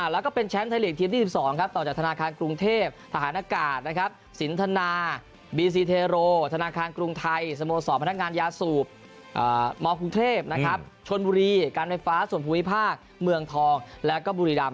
แล้วก็เป็นแชมป์ไทยลีกทีมที่๑๒ต่อจากธนาคารกรุงเทพทหารอากาศนะครับสินทนาบีซีเทโรธนาคารกรุงไทยสโมสรพนักงานยาสูบมกรุงเทพชนบุรีการไฟฟ้าส่วนภูมิภาคเมืองทองแล้วก็บุรีรำ